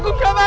aku gak mau